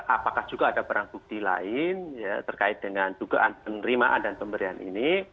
apakah juga ada barang bukti lain terkait dengan dugaan penerimaan dan pemberian ini